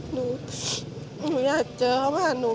หนูอยากเจอเขามาหาหนู